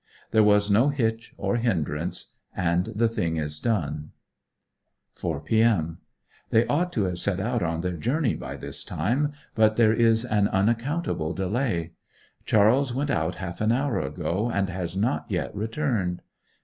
There was no hitch or hindrance; and the thing is done. 4 p.m. They ought to have set out on their journey by this time; but there is an unaccountable delay. Charles went out half an hour ago, and has not yet returned.